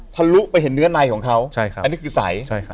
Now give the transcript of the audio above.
ลุไปเห็นเนื้อในของเขาอันนี้คือใส